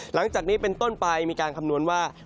หลังจากนี้เป็นต้นไปมีการคำนวณว่า